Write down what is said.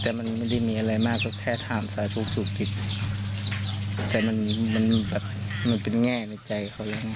แต่มันไม่ได้มีอะไรมากเพราะแค่ถามสาวสู่ผิดแต่มันเป็นแง่ในใจเขาแล้ว